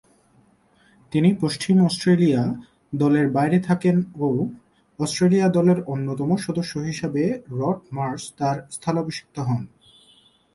তিনি পশ্চিম অস্ট্রেলিয়া দলের বাইরে থাকেন ও অস্ট্রেলিয়া দলের অন্যতম সদস্য হিসেবে রড মার্শ তার স্থলাভিষিক্ত হন।